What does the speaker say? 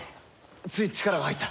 つい力が入った。